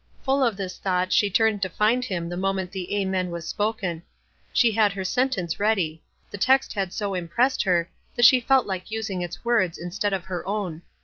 Full of this thought she turned to find him the moment the "Amen " was spoken. She had her sentence ready. The text had so im pressed her, that she felt like using its words, instead of her own.